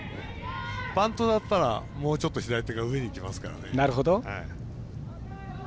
バントだったら、もうちょっと左手が上に行きますからね。